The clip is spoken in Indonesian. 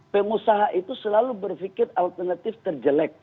pengusaha itu selalu berpikir alternatif terjelek